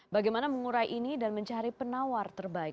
bagaimana mengurai ini dan mencari penawar terbaik